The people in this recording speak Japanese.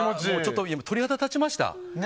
鳥肌が立ちました。